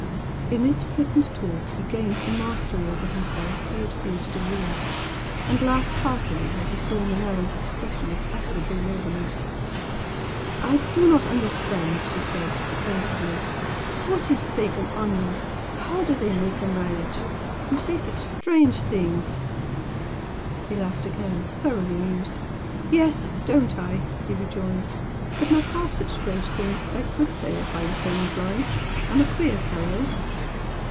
'" In this flippant talk he gained the mastery over himself he had feared to lose and laughed heartily as he saw Manella's expression of utter bewilderment. "I do not understand!" she said, plaintively "What is steak and onions? how do they make a marriage? You say such strange things!" He laughed again, thoroughly amused. "Yes, don't I!" he rejoined "But not half such strange things as I could say if I were so inclined! I'm a queer fellow!"